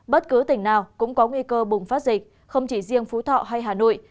bất cứ tỉnh nào cũng có nguy cơ bùng phát dịch không chỉ riêng phú thọ hay hà nội